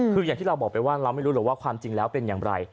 คืออย่างที่เราบอกไปว่าเราไม่รู้หรอกว่าความจริงแล้วเป็นอย่างไร